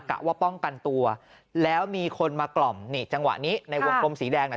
ว่าป้องกันตัวแล้วมีคนมากล่อมนี่จังหวะนี้ในวงกลมสีแดงน่ะ